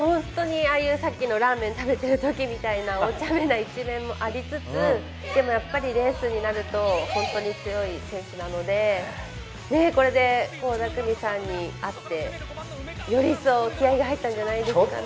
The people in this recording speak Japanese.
ラーメン食べてる時みたいな、お茶目な一面もありつつ、でも、やっぱりレースになると本当に強い選手なので、これで倖田來未さんに会って、より一層、気合いが入ったんじゃないですかね。